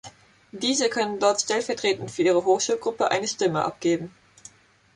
Diese können dort stellvertretend für ihre Hochschulgruppe eine Stimme abgeben.